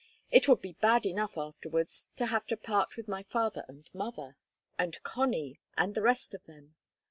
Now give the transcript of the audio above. It would be bad enough afterwards to have to part with my father and mother and Connie, and the rest of them.